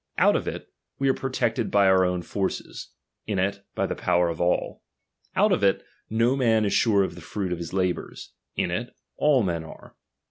Out of it, we are protected by our own forces ; in it, by the power of all. Out of it, no man is sure of the fruit of his labours ; in it, all men are.